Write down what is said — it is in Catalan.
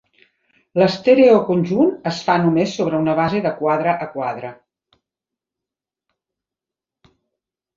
L'estèreo conjunt es fa només sobre una base de quadre a quadre.